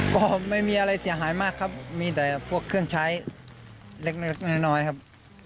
ก็ไม่มีอะไรเสียหายมากครับมีแต่พวกเครื่องใช้เล็กน้อยครับ